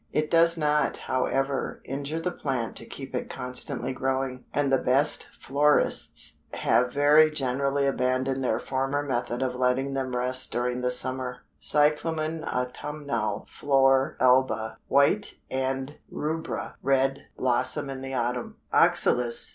It does not, however, injure the plant to keep it constantly growing, and the best florists have very generally abandoned their former method of letting them rest during the summer. Cyclamen autumnale flore alba, white, and rubra, red, blossom in the autumn. OXALIS.